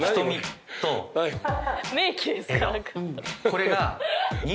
これが。